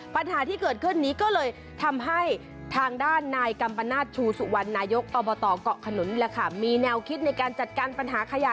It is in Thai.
ปัญหาที่เกิดขึ้นนี้ก็เลยทำให้ทางด้านนายกัมปนาศชูสุวรรณนายกอบตเกาะขนุนมีแนวคิดในการจัดการปัญหาขยะ